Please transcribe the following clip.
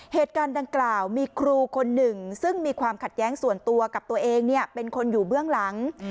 เหตุการณ์ดังกล่าวมีครูคนหนึ่งซึ่งมีความขัดแย้งส่วนตัวกับตัวเองเป็นคนอยู่เบื้องหลัง